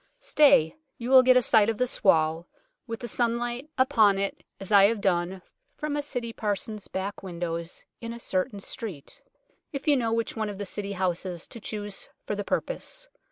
Stay, you get a sight of this wall, with the sunlight 19 20 UNKNOWN LONDON upon it, as I have done, from a City parson's back windows in a certain street, if you know which one of the City's houses to choose for the purpose.